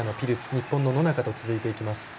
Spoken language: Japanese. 日本の野中と続いていきます。